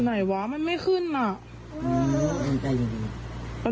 ไหนวะมันไม่ขึ้นอ่ะอืออืออืออือ